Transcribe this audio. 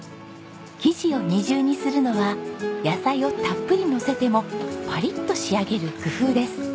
生地を２重にするのは野菜をたっぷりのせてもパリッと仕上げる工夫です。